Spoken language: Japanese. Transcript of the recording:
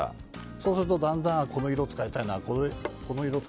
そうするとだんだんこの色使いたいなというのが。